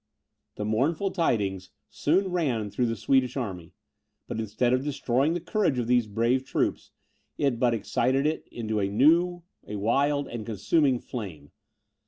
The mournful tidings soon ran through the Swedish army; but instead of destroying the courage of these brave troops, it but excited it into a new, a wild, and consuming flame.